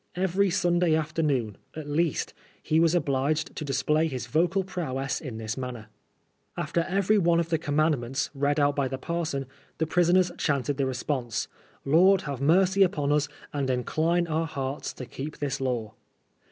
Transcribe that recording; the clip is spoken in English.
Every Sunday afternoon, at least, he was obligeid to display his vocal prowess in this manner. After everyone of the commandments read out by the parson the prisoners ohanted ihe response, ^* Lord have mercy upon us, and incline our hearts to keep this law.''